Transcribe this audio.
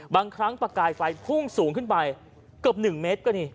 บางครั้งประกายไฟพุ่งสูงขึ้นไปเกือบ๑เมตรก็นี่